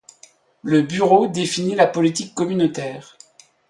Le bureau définit la politique communautaire.